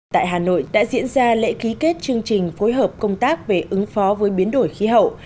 tại hà nội đã diễn ra lễ ký kết chương trình phối hợp công tác về ứng phó với biến đổi khí hậu